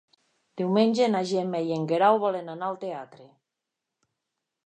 Diumenge na Gemma i en Guerau volen anar al teatre.